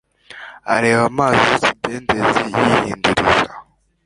areba amazi y'ikidendezi yihinduriza.